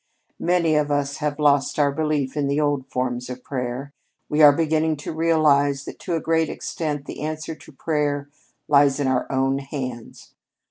"Many of us have lost our belief in the old forms of prayer. We are beginning to realize that, to a great extent, the answer to prayer lies in our own hands.